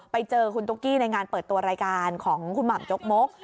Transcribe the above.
ไปเจอคุณตุ๊กกี้ในงานเปิดตัวรายการของคุณหม่ำจกมก